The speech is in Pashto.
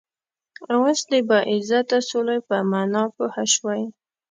وس د باعزته سولی په معنا پوهه شوئ